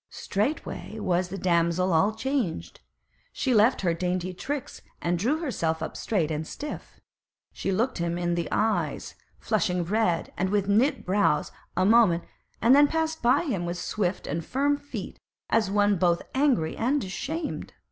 Straightway was the damsel all changed; she left her dainty tricks, and drew herself up straight and stiff. She looked at him in the eyes, flushing red, and with knit brows, a moment, and then passed by him with swift and firm feet as one both angry and ashamed.